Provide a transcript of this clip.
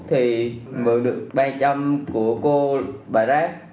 thì mượn được ba trăm linh của cô bài rác